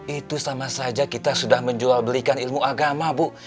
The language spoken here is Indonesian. itu sama saja kita sudah menjual belikan ilmu agama bu